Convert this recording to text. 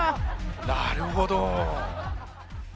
なるほど。